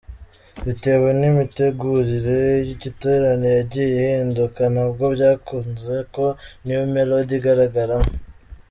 Bitewe n’imitegurire y’igiterane yagiye ihinduka ntabwo byakunze ko New Melody igaragaramo.